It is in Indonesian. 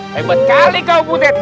hebat kali kau butet